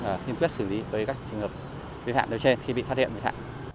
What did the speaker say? là thiên quyết xử lý với các trường hợp biệt hạn đều trên khi bị phát hiện biệt hạn